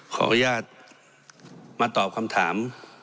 ขออนุญาตมาตอบคำถาม